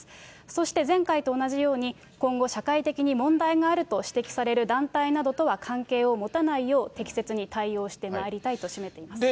そして前回と同じように、今後、社会的に問題があると指摘される団体などとは関係を持たないよう、適切に対応してまいりたいと締めています。